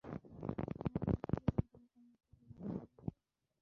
আমার বসতির লোকেরা তোমাকে এই নাম দিয়েছে।